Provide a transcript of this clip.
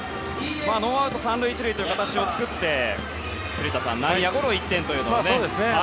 ノーアウト３塁１塁という形を作って内野ゴロで１点というのも。